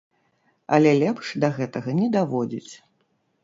Але лепш да гэтага не даводзіць.